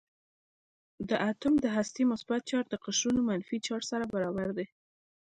د اتوم د هستې مثبت چارج د قشرونو منفي چارج سره برابر دی.